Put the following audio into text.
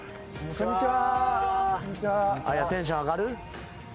こんにちは。